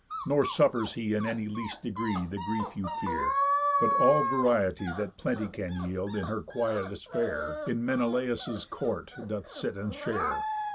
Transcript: Nor suffers he in any least degree The grief you fear, but all variety That Plenty can yield in her quiet'st fare, In Menelaus' court, doth sit and share.